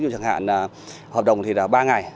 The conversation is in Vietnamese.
chẳng hạn hợp đồng thì là ba ngày